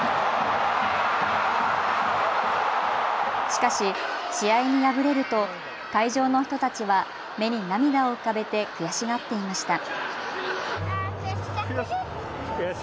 しかし試合に敗れると会場の人たちは目に涙を浮かべて悔しがっていました。